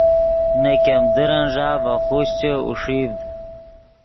نے ګیمدرن ݱا ڤے خوشچے اوݰیڤد